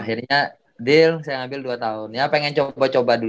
akhirnya deal saya ngambil dua tahun ya pengen coba coba ya